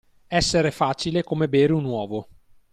Essere facile come bere un uovo.